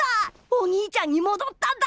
お兄ちゃんにもどったんだ！